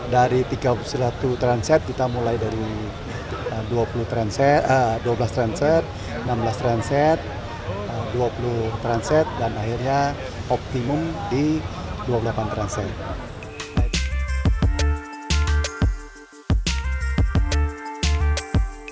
dari tiga silatu transit kita mulai dari dua belas transit enam belas transit dua puluh transit dan akhirnya optimum di dua puluh delapan transit